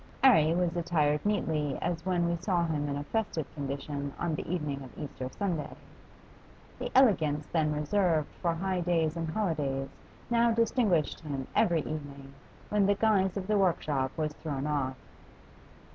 'Arry was attired nearly as when we saw him in a festive condition on the evening of Easter Sunday; the elegance then reserved for high days and holidays now distinguished him every evening when the guise of the workshop was thrown off.